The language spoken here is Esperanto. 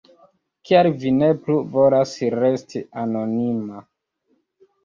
Kial vi ne plu volas resti anonima?